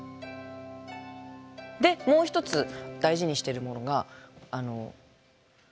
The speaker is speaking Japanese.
でもう一つ大事にしているものが白湯です。